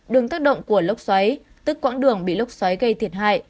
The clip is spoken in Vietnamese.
đường tác động của lốc xoáy tức quãng đường bị lốc xoáy gây thiệt hại